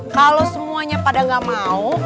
kalau semuanya pada gak mau